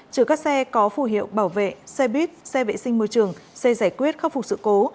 chứa các xe có phù hiệu bảo vệ xe buýt xe vệ sinh môi trường xe giải quyết khắc phục sự cố